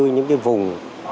những cái vùng